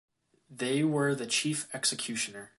They were the chief executioner.